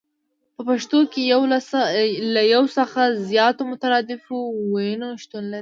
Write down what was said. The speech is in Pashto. په پښتو کې له يو څخه زياتو مترادفو ويونو شتون